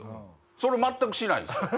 それを全くしないんですよ